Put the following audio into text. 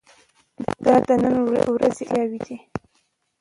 دا د نن ورځې اړتیاوې دي.